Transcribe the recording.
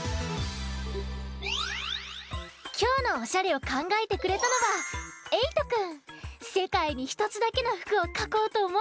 きょうのおしゃれをかんがえてくれたのはせかいにひとつだけのふくをかこうとおもったんだって。